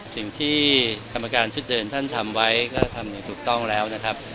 สิ่งที่กรรมการชุดเดิมท่านทำไว้ก็ทำอย่างถูกต้องแล้วนะครับ